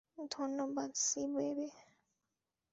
ধন্যবাদ, সি-বেবে।